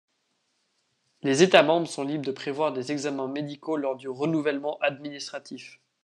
Les États membres sont libres de prévoir des examens médicaux lors du renouvellement administratif.